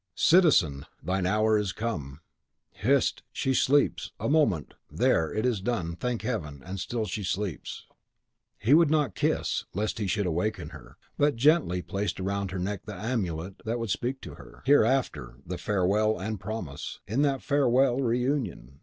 "Citizen, thine hour is come!" "Hist! she sleeps! A moment! There, it is done! thank Heaven! and STILL she sleeps!" He would not kiss, lest he should awaken her, but gently placed round her neck the amulet that would speak to her, hereafter, the farewell, and promise, in that farewell, reunion!